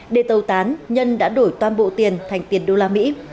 để tàu tán nhân đã đổi toàn bộ tiền thành tiền đô la mỹ